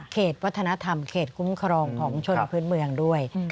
เขตวัฒนธรรมเขตคุ้มครองของชนพื้นเมืองด้วย